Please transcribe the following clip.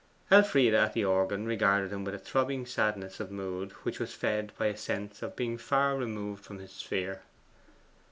Elfride at the organ regarded him with a throbbing sadness of mood which was fed by a sense of being far removed from his sphere.